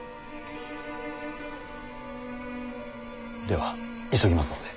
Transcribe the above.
では急ぎますので。